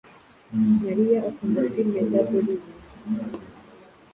Mariya akunda firime za Bollywood.